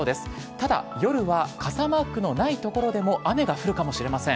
ただ夜は傘マークのない所でも、雨が降るかもしれません。